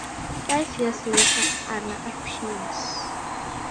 Five years later Ana appears.